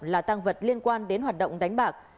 là tăng vật liên quan đến hoạt động đánh bạc